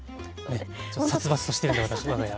殺伐としているので、わが家。